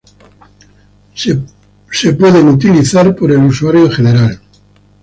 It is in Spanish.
Pueden ser utilizadas por el usuario en general.